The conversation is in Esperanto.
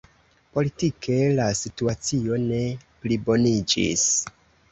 Politike la situacio ne pliboniĝis.